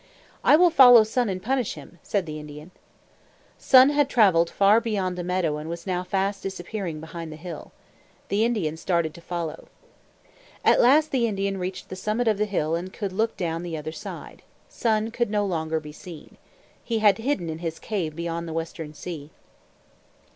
"I will follow Sun and punish him," said the Indian. Sun had traveled far beyond the meadow and was now fast disappearing behind the hill. The Indian started to follow. At last the Indian reached the summit of the hill and could look down the other side. Sun could no longer be seen. He had hidden in his cave beyond the Western Sea.